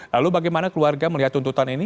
lalu bagaimana keluarga melihat tuntutan ini